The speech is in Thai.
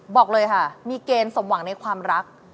บอกเลยค่ะมีเกณฑ์สมหวังในความรัก